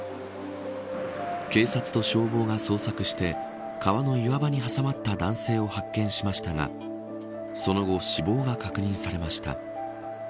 警察と消防が捜索して川の岩場に挟まった男性を発見しましたがその後、死亡が確認されました。